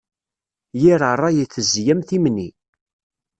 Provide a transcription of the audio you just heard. Yir ṛṛay itezzi am timni.